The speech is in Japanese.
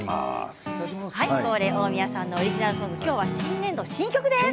大宮さんのオリジナルソング新年度、新曲です。